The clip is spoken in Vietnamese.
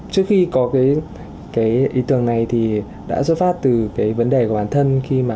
trước khi có cái ý tưởng này thì đã xuất phát từ cái vấn đề của bản thân